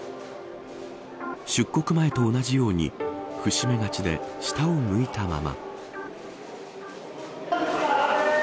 出国前と同じように伏し目がちで下を向いたまま。